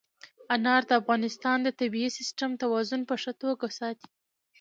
انار د افغانستان د طبعي سیسټم توازن په ښه توګه ساتي.